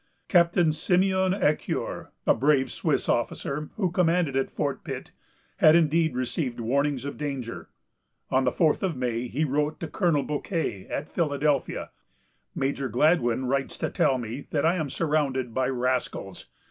Captain Simeon Ecuyer, a brave Swiss officer, who commanded at Fort Pitt, had indeed received warnings of danger. On the fourth of May, he wrote to Colonel Bouquet at Philadelphia: "Major Gladwyn writes to tell me that I am surrounded by rascals.